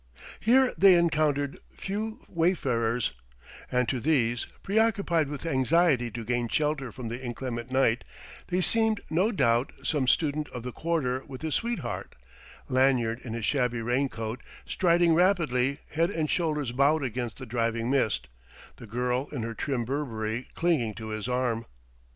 Here they encountered few wayfarers; and to these, preoccupied with anxiety to gain shelter from the inclement night, they seemed, no doubt, some student of the Quarter with his sweetheart Lanyard in his shabby raincoat, striding rapidly, head and shoulders bowed against the driving mist, the girl in her trim Burberry clinging to his arm....